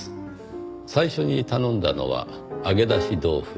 最初に頼んだのは揚げ出し豆腐。